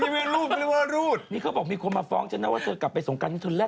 แต่เมื่อกี้คุณทำท่าหลูบอย่างนี้